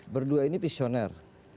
berdua ini pisioner